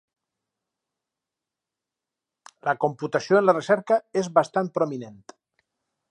La computació en la recerca és bastant prominent.